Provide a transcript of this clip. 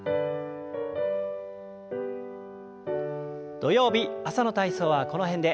土曜日朝の体操はこの辺で。